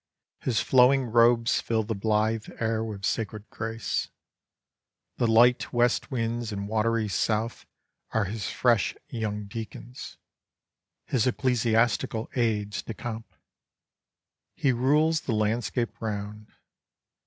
His flowing robes fill the blithe air with sacred grace. The light west winds and watery south are his fresh young deacons, his ecclesiastical aides de camp. He rules the landscape round.